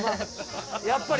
やっぱり。